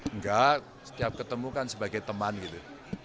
enggak setiap ketemu kan sebagai teman gitu